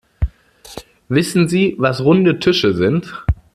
Wissen Sie, was runde Tische sind?